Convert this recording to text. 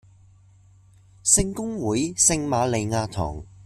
聖公會聖馬利亞堂